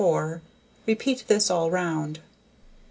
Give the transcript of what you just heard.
Repeat this all round.